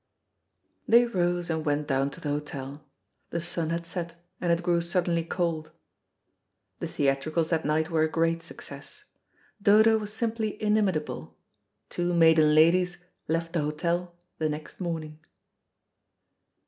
They rose and went down to the hotel; the sun had set, and it grew suddenly cold. The theatricals that night were a great success. Dodo was simply inimitable. Two maiden ladies left the hotel the next morning.